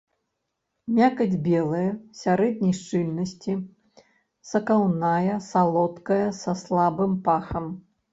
Мякаць белая, сярэдняй шчыльнасці, сакаўная, салодкая, са слабым пахам.